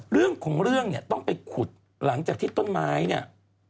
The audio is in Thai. เรื่องของเรื่องเนี่ยต้องไปขุดหลังจากที่ต้นไม้เนี่ย